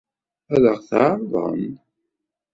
Ad ɣ-t-ɛeṛḍen?